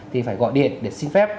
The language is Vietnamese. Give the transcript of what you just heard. thì phải gọi điện để xin phép